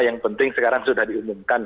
yang penting sekarang sudah diumumkan